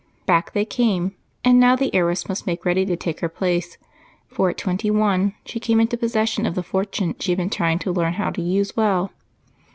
Back they came, and now the heiress must make ready to take her place, for at twenty one she came into possession of the fortune she had been trying to learn how to use well.